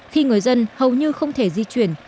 khi người dân hầu như không thể di chuyển